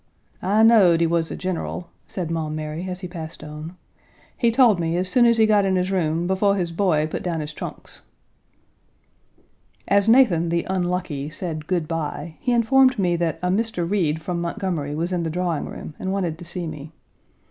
"I knowed he was a general," said Maum Mary as he passed on, "he told me as soon as he got in his room befo' his boy put down his trunks." As Nathan, the unlucky, said good by, he informed me that a Mr. Reed from Montgomery was in the drawingroom and wanted to see me. Mr.